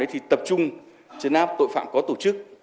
thì tập trung chấn áp tội phạm có tổ chức